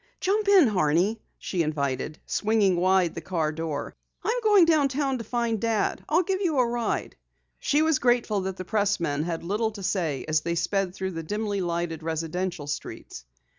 "Jump in, Horney," she invited, swinging wide the car door. "I'm going downtown to find Dad. I'll give you a ride." She was grateful that the pressman had little to say as they sped through dimly lighted residential streets.